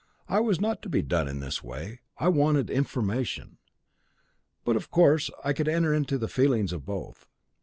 I was not to be done in this way. I wanted information. But, of course, I could enter into the feelings of both.